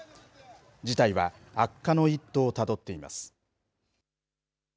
事態は悪化の一途をたどっています。